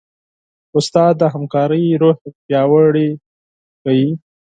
استاد د همکارۍ روحیه پیاوړې کوي.